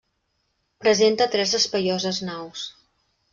Presenta tres espaioses naus.